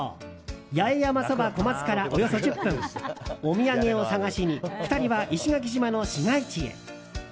八重山そば小松からおよそ１０分お土産を探しに２人は石垣島の市街地へ。